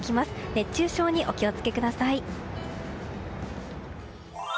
熱中症にお気を付けください。